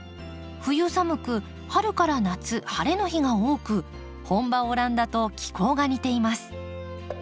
冬寒く春から夏晴れの日が多く本場オランダと気候が似ています。